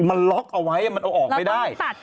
มันล็อกเอาไว้มันเอาออกไม่ได้